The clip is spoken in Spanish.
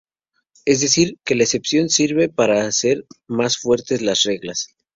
Es decir, que la excepción sirve para hacer más fuertes las reglas.